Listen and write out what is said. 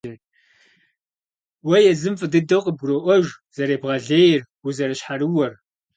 Уэ езым фӏы дыдэу къыбгуроӏуэж зэребгъэлейр, узэрыщхьэрыуэр.